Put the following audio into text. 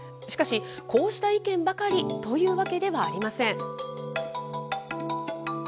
しかし、こうした意見ばかりというわけではありません。